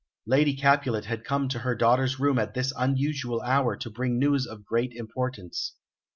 Lady Capulet had come to her daughter's room at this unusual hour to bring news of great importance.